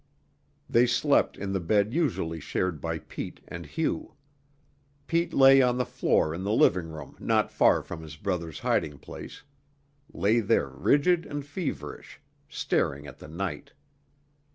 They slept in the bed usually shared by Pete and Hugh. Pete lay on the floor in the living room not far from his brother's hiding place lay there rigid and feverish, staring at the night.